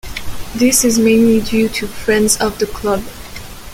This is mainly due to Friends of the Club.